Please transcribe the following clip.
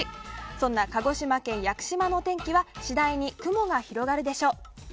そんな鹿児島県屋久島のお天気は次第に雲が広がるでしょう。